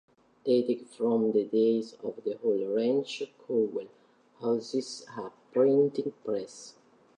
Dating from the days of the old ranch, Cowell houses a Printing Press.